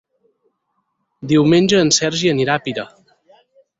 Diumenge en Sergi anirà a Pira.